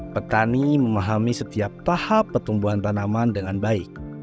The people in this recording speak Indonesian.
petani memahami setiap tahap pertumbuhan tanaman dengan baik